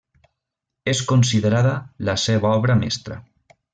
És considerada la seva obra mestra.